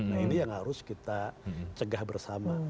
nah ini yang harus kita cegah bersama